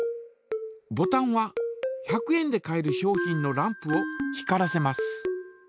ボタンは１００円で買える商品のランプを光らせます。